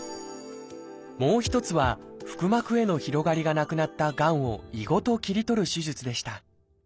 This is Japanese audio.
もう一つは腹膜への広がりがなくなったがんを胃ごと切り取る手術でした。